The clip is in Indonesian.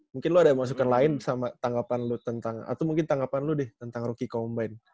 mungkin lu ada masukan lain sama tanggapan lu tentang atau mungkin tanggapan lu deh tentang rookie combine